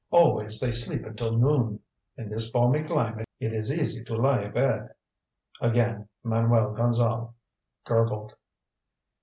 Always they sleep until noon. In this balmy climate, it is easy to lie abed." Again Manuel Gonzale gurgled.